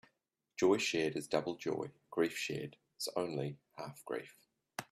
Joy shared is double joy; grief shared is (only) half grief.